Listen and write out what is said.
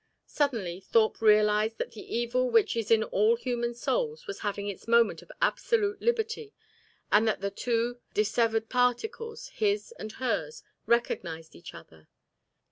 Suddenly Thorpe realised that the evil which is in all human souls was having its moment of absolute liberty, and that the two dissevered particles, his and hers, recognised each other.